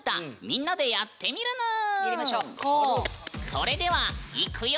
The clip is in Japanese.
それではいくよ！